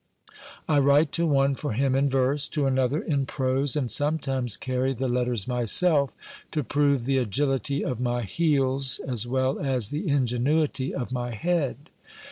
I write to one for him in verse, to another in prose, and sometimes carry the letters myself, to prove the agility of my heels as well as the ingenuity of my head.